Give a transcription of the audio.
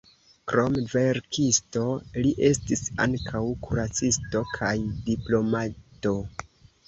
Krom verkisto, li estis ankaŭ kuracisto kaj diplomato.